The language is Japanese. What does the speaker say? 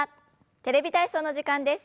「テレビ体操」の時間です。